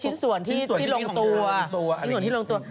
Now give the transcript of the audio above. ชิ้นส่วนที่ลงตัว